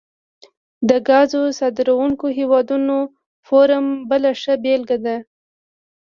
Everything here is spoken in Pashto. د ګازو صادرونکو هیوادونو فورم بله ښه بیلګه ده